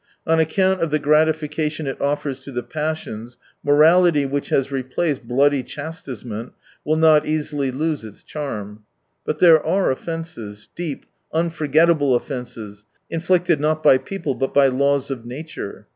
On account of the gratification it offers to the passions, morality, which has replaced bloody chastisement, will not easiljr' lose its charm. But there are offences, deep, unforgettable offences, inflicted not by people, but by "laws of nature."